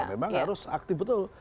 memang harus aktif betul